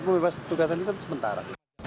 pembebasan tugasnya itu sementara